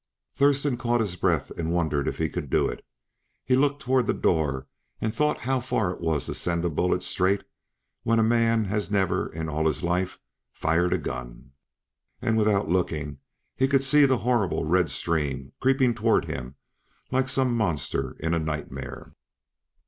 Thurston caught his breath and wondered if he could do it; he looked toward the door and thought how far it was to send a bullet straight when a man has never, in all his life, fired a gun. And without looking he could see that horrible, red stream creeping toward him like some monster in a nightmare.